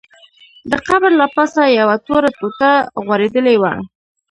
د قبر له پاسه یوه توره ټوټه غوړېدلې وه.